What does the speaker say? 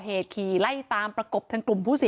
เหตุการณ์เกิดขึ้นแถวคลองแปดลำลูกกา